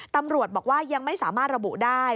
ตำรวจบอกว่ายังไม่สามารถระบุได้